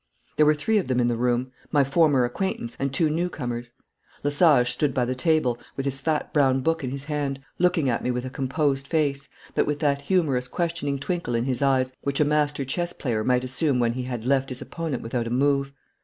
There were three of them in the room, my former acquaintance and two new comers. Lesage stood by the table, with his fat brown book in his hand, looking at me with a composed face, but with that humorous questioning twinkle in his eyes which a master chess player might assume when he had left his opponent without a move.